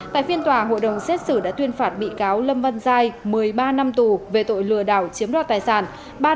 tại phiên tòa hội đồng xét xử đã tuyên phạt bị cáo lâm văn giai một mươi ba năm tù về tội lừa đảo chiếm đoạt tài sản